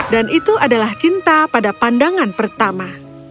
dan itu adalah cinta pada pandangan pertama